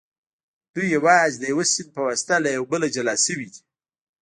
دوی یوازې د یوه سیند په واسطه له یو بله جلا شوي دي